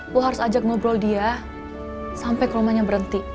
lo harus ajak ngobrol dia sampai komanya berhenti